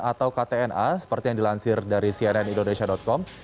atau ktna seperti yang dilansir dari cnn indonesia com